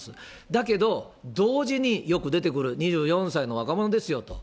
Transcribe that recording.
だけど、同時によく出てくる、２４歳の若者ですよと。